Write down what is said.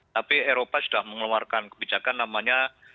tapi eropa sudah mengeluarkan kebijakan namanya